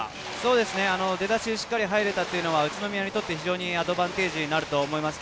出だしをしっかり入れたというのは、宇都宮のアドバンテージになると思います。